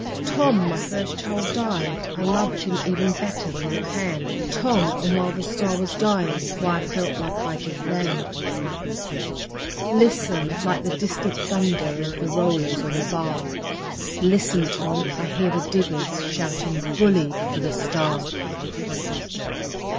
Tom, my first child died. I loved her even better than the pen Tom and while the STAR was dying, why, I felt like I did THEN. ..... Listen! Like the distant thunder of the rollers on the bar Listen, Tom! I hear the diggers shouting: 'Bully for the STAR!''